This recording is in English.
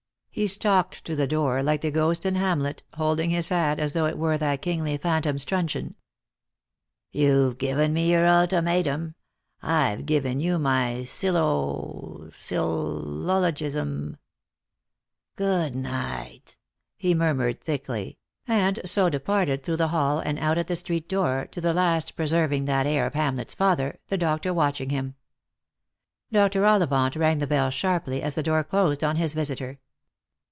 He stalked to the door, like the Ghost in Hamlet, holding his hat as though it were that kingly phantom's truncheon. " You've given me your ultimatum, I've given you my syllo — syl — lollogism. Good night," he murmured thickly; and so departed through the hall and out at the street door, to the last preserving that air of Hamlet's father, the doctor watching him. Dr. Ollivant rang the bell sharply as the door closed on his visitor.